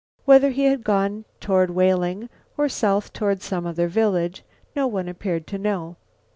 Whether he had gone toward Whaling, or south to some other village, no one appeared to know.